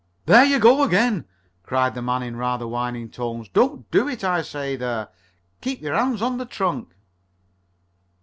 "There you go again!" cried the man in rather whining tones. "Don't do it, I say! There! Keep your hands on the trunk!"